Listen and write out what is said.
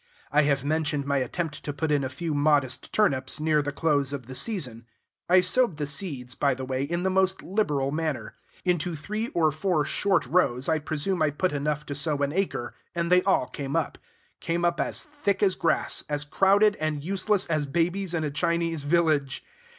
I have mentioned my attempt to put in a few modest turnips, near the close of the season. I sowed the seeds, by the way, in the most liberal manner. Into three or four short rows I presume I put enough to sow an acre; and they all came up, came up as thick as grass, as crowded and useless as babies in a Chinese village.